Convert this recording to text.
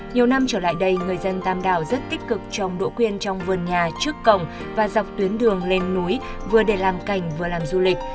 nhiều năm trở lại đây người dân tam đảo rất tích cực trồng đỗ quyên trong vườn nhà trước cổng và dọc tuyến đường lên núi vừa để làm cảnh vừa làm du lịch